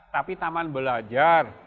tapi taman belajar